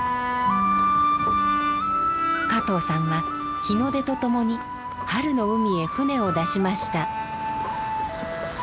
加藤さんは日の出とともに春の海へ船を出しました。